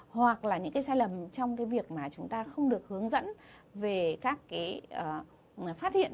hoặc là những cái sai lầm trong cái việc mà chúng ta không được hướng dẫn về các cái phát hiện